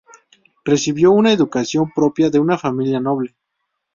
Recibió una educación propia de una familia noble.